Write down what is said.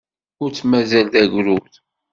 Ur t-mazal d agrud.